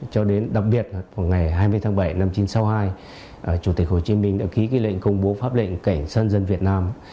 cho đến đặc biệt ngày hai mươi tháng bảy năm một nghìn chín trăm sáu mươi hai chủ tịch hồ chí minh đã ký lệnh công bố pháp lệnh cảnh sát dân việt nam